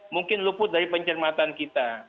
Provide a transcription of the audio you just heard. mungkin luput dari pencermatan kita